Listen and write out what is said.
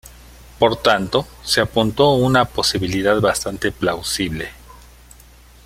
Por tanto, se apuntó una posibilidad bastante plausible.